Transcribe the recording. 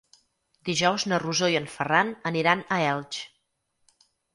Dijous na Rosó i en Ferran aniran a Elx.